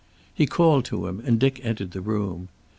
He called to him, and Dick entered the room.